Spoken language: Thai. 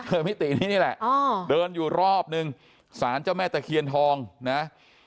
มิตินี้นี่แหละเดินอยู่รอบนึงสารเจ้าแม่ตะเคียนทองนะ